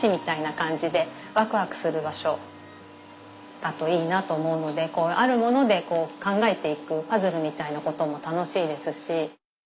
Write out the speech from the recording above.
だといいなと思うのでこうあるものでこう考えていくパズルみたいなことも楽しいですし。